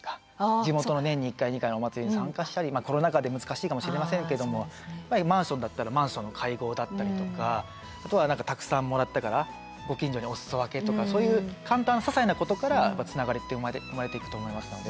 地元の年に１回２回のお祭りに参加したりコロナ禍で難しいかもしれませんけどもマンションだったらマンションの会合だったりとかあとは何かたくさんもらったからご近所にお裾分けとかそういう簡単なささいなことからつながりって生まれていくと思いますので。